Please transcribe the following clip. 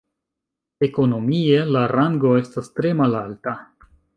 Ekonomie la rango estas tre malalta.